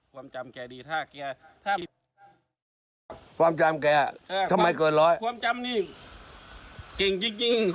ความจำแกทำไมเกินร้อย